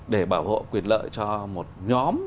để bảo hộ quyền lợi cho một nhóm